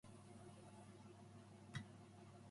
They are expressing a wish that they had not bought the jacket.